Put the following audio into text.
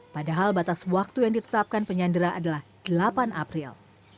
padahal batas waktu yang ditetapkan penyandera adalah delapan april